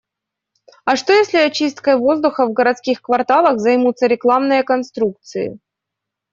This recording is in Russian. А что если очисткой воздуха в городских кварталах займутся рекламные конструкции